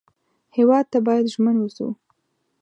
هېواد ته باید ژمن و اوسو